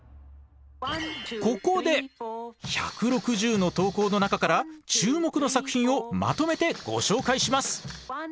ここで１６０の投稿の中から注目の作品をまとめてご紹介します。